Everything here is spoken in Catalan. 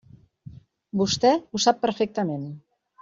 Vostè ho sap perfectament.